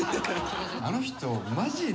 あの人マジで。